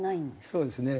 そうですね。